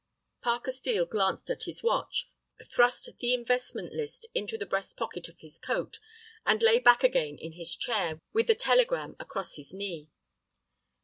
Parker Steel glanced at his watch, thrust the investment list into the breast pocket of his coat, and lay back again in his chair with the telegram across his knee.